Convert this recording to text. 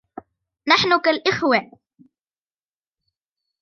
نحن كالإخوة.